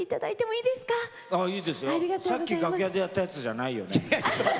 いいですよ、さっき楽屋でやったやつじゃないよね。